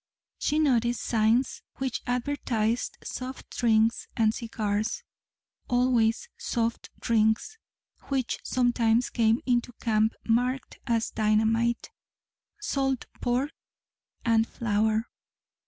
She noticed signs which advertised soft drinks and cigars always "soft drinks," which sometimes came into camp marked as "dynamite," "salt pork," and "flour."